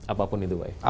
apapun itu pak ya